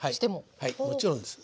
はいもちろんです。